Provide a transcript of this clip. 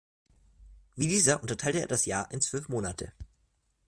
Wie dieser unterteilt er das Jahr in zwölf Monate.